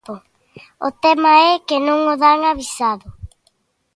O tema é que non o dan avisado.